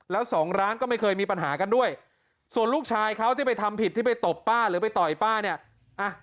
แล้วสองร้านก็ไม่เคยมีปัญหากันด้วยส่วนลูกชายเขาที่ไปทำผิดที่ไปตบป้าหรือไปต่อยป้าเนี่ย